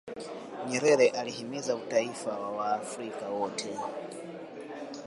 nyerere alihimiza utaifa wa waafrika wote